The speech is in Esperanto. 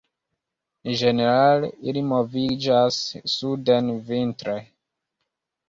Ĝenerale ili moviĝas suden vintre.